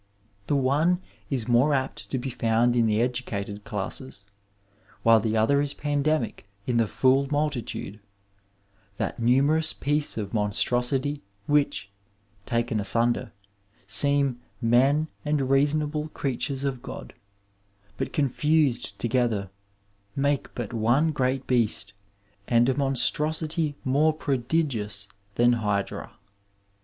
The one is more apt to be found in the educated classes, while the other is pandemic in the fool multitude —^' that numerous piece of monstrosity which, taken asunder, seem men and reasonable creatures of God, but confused together, make but one great beast, and a monstrosity more prodigious than Hydra '' {Rdigio Medici).